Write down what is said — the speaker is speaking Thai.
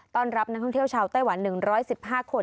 รับนักท่องเที่ยวชาวไต้หวัน๑๑๕คน